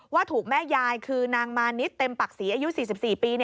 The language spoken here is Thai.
ว่าถูกแม่ยายคือนางมานิดเต็มปักศรีอายุ๔๔ปี